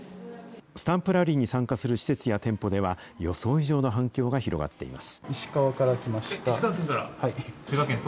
スタンプラリーに参加する施設や店舗では、予想以上の反響が広がっています。